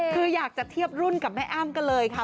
คืออยากจะเทียบรุ่นกับแม่อ้ำกันเลยค่ะ